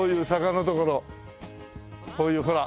こういうほら。